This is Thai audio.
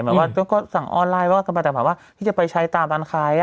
หมายความว่าต้องก็สั่งออนไลน์ว่ากันมาแต่หมายความว่าที่จะไปใช้ตามร้านค้า